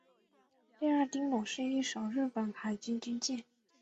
第二丁卯是一艘日本海军军舰。